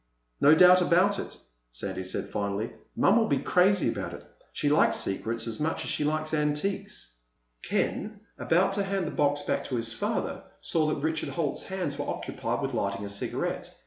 "No doubt about it," Sandy said finally. "Mom'll be crazy about it. She likes secrets as much as she likes antiques." Ken, about to hand the box back to his father, saw that Richard Holt's hands were occupied with lighting a cigarette.